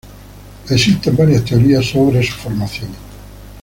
Existen varias teorías sobre su formación.